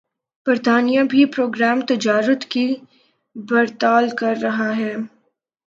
برطانیہ بھِی پروگرام تجارت کی پڑتال کر رہا ہے